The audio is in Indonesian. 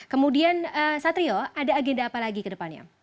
kemudian satrio ada agenda apa lagi kedepannya